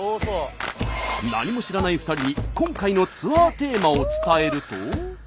何も知らない２人に今回のツアーテーマを伝えると。